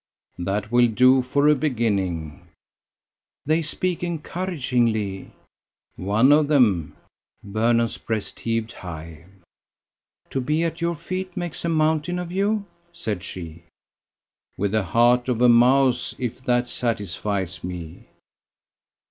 "That will do for a beginning." "They speak encouragingly." "One of them." Vernon's breast heaved high. "To be at your feet makes a mountain of you?" said she. "With the heart of a mouse if that satisfies me!"